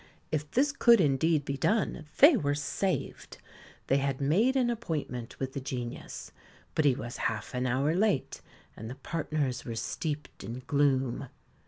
If this could indeed be done, they were saved. They had made an appointment with the genius; but he was half an hour late, and the partners were steeped in gloom.